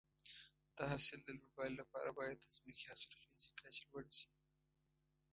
د حاصل د لوړوالي لپاره باید د ځمکې حاصلخیزي کچه لوړه شي.